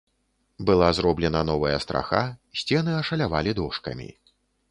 Была зроблена новая страха, сцены ашалявалі дошкамі.